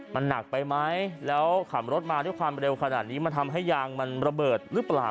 มันหนักไปไหมแล้วขับรถมาด้วยความเร็วขนาดนี้มันทำให้ยางมันระเบิดหรือเปล่า